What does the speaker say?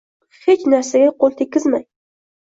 Hech narsaga qo’l tekkizmang.